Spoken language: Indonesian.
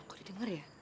kok didenger ya